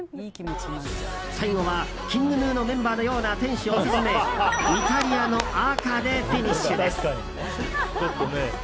最後はＫｉｎｇＧｎｕのメンバーのような店主オススメイタリアの赤でフィニッシュです。